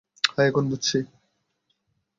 হ্যাঁ, এখন বুঝছি।